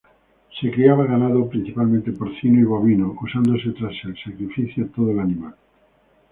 Se criaba ganado, principalmente porcino y bovino, usándose tras el sacrificio todo el animal.